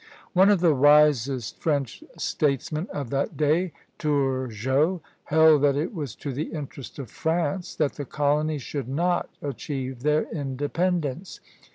One of the wisest French statesmen of that day, Turgot, held that it was to the interest of France that the colonies should not achieve their independence.